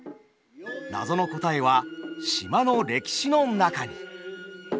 謎の答えは島の歴史の中に。